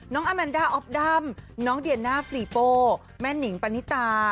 น้องอัมแนนดาออ๊อบดำน้องเดียนน่าฟรีโป่แม่นิงปัณธิตา